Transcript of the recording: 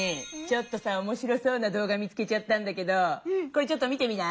ちょっとさおもしろそうなどう画見つけちゃったんだけどこれちょっと見てみない？